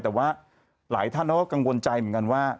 แต่ว่าหลายท่านเขาก็กังวลใจเหมือนกันว่า